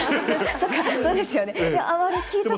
そっか、そうですよね。